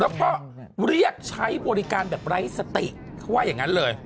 แล้วก็เรียกใช้บริการแบบไร้สติเขาว่าอย่างนั้นเลย